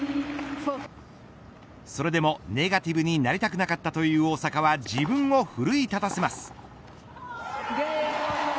それでもネガティブになりたくなかったという大坂は自分を奮い立たせます。